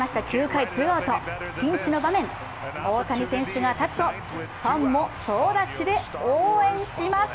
９回、ツーアウト、ピンチの場面、大谷選手が立つとファンも総立ちで応援します。